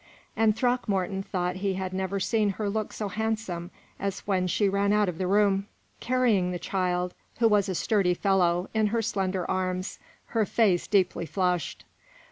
And Throckmorton thought he had never seen her look so handsome as when she ran out of the room, carrying the child, who was a sturdy fellow, in her slender arms, her face deeply flushed.